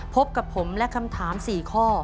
พบกับผมและคำถาม๔ข้อ